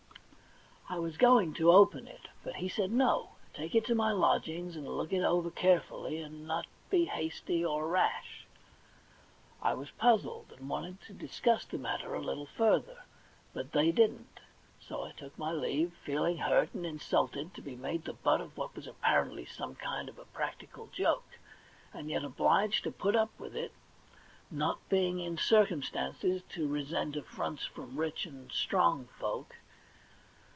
I was going THE £1,000,000 BANK NOTE 5 to open it, but he said no ; take it to my lodgings, and look it over carefully, and not be hasty or rash. I was puzzled, and wanted to discuss the matter a little further, but they didn't ; so I took my leave, feeling hurt and insulted to be made the butt of what was apparently some kind of a practical joke, and yet obliged to put up with it, not being in cir cumstances to resent affronts from rich and strong folk.